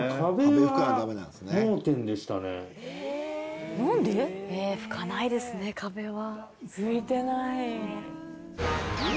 え拭かないですね壁は。